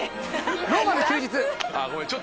『ローマの休日』